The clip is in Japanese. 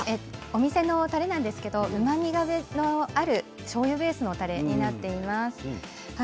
お店のたれなんですがうまみのあるしょうゆベースのたれには。